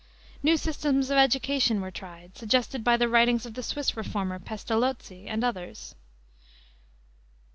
New systems of education were tried, suggested by the writings of the Swiss reformer, Pestalozzi, and others.